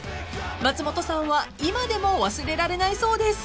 ［松本さんは今でも忘れられないそうです］